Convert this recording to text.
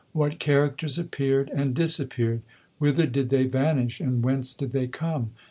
What characters appeared and disappeared ! Whither did they vanish and whence did they come